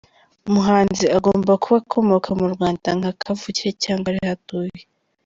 Umuhanzi agomba kuba akomoka mu Rwanda nka kavukire cyangwa ariho atuye.